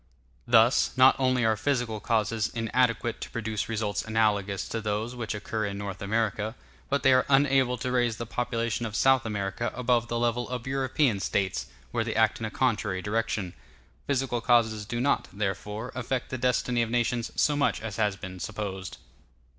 Thus, not only are physical causes inadequate to produce results analogous to those which occur in North America, but they are unable to raise the population of South America above the level of European States, where they act in a contrary direction. Physical causes do not, therefore, affect the destiny of nations so much as has been supposed.